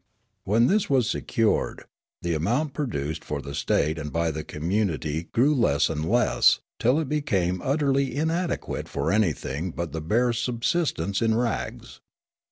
" When this was secured, the amount produced for the state and by the connnunity grew less and less, till it became utterly inadequate for anything but the barest subsistence in rags.